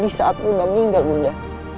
di saat bunda meninggal bunda